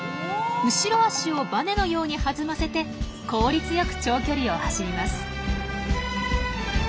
後ろ足をバネのように弾ませて効率よく長距離を走ります。